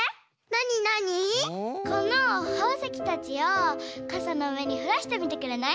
このほうせきたちをかさのうえにふらしてみてくれない？